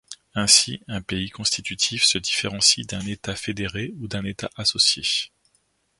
Ainsi, un pays constitutif se différencie d'un État fédéré ou d'un État associé.